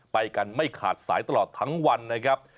ไปกันไม่ขาดสายตลอดทั้งวันนะครับ